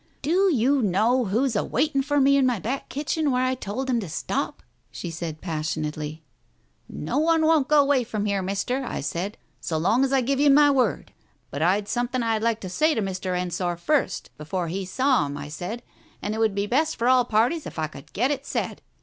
"Do you know who's awaiting for me in my back kitchen where I told him to stop ?" she said passion x 2 Digitized by Google 308 TALES OF THE UNEASY ately. "No one won't go away from here, Mister, I said, so long as I give you my word. But I'd some thing I'd like to say to Mr. Ensor first before he saw him, I said, and it would be best for all parties if I could get it said.